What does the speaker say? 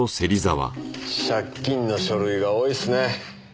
借金の書類が多いですね。